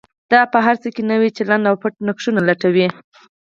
دا په هر څه کې نوی چلند او پټ نقشونه لټوي.